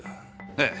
ええ。